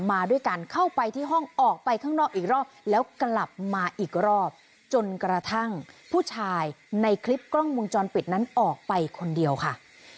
มาด้วยกันเข้าไปที่ห้องออกไปข้างนอกอีกรอบแล้วกลับมาอีกรอบจนกระทั่งผู้ชายในคลิปกล้องวงจรปิดนั้นออกไปคนเดียวค่ะ